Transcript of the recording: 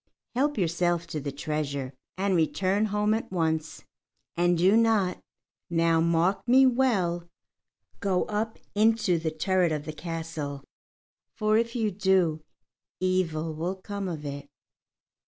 Help yourself to the treasure, and return home at once. And do not now mark me well go up into the turret of the castle; for if you do, evil will come of it."